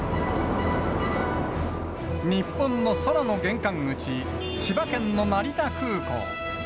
日本の空の玄関口、千葉県の成田空港。